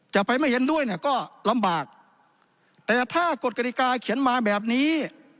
จะไปไม่เห็นด้วยเนี่ยก็ลำบากแต่ถ้ากฎกฎิกาเขียนมาแบบนี้